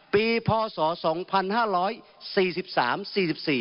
ปีพศ๒๕๔๓๔๔